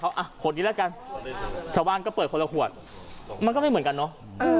เอาอ่ะขวดนี้แล้วกันชาวบ้านก็เปิดคนละขวดมันก็ไม่เหมือนกันเนาะ